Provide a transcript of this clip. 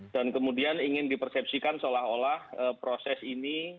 dan kemudian ingin dipersepsikan seolah olah proses ini